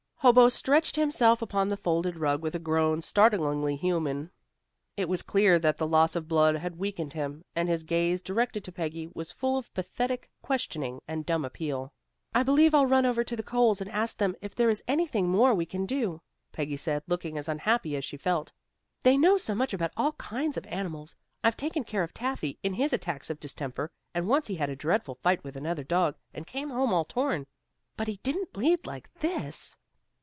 Hobo stretched himself upon the folded rug with a groan startlingly human. It was clear that the loss of blood had weakened him, and his gaze directed to Peggy was full of pathetic questioning and dumb appeal. "I believe I'll run over to the Coles, and ask them if there is anything more we can do," Peggy said, looking as unhappy as she felt. "They know so much about all kinds of animals. I've taken care of Taffy in his attacks of distemper, and once he had a dreadful fight with another dog, and came home all torn. But he didn't bleed like this."